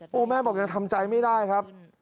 โอ้โหแม่บอกยังทำใจไม่ได้ครับ